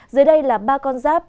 dưới đây là ba con giáp